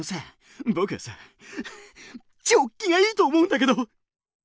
ぼくはさチョッキがいいと思うんだけど！